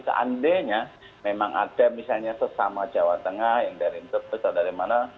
seandainya memang ada misalnya sesama jawa tengah yang dari interpes atau dari mana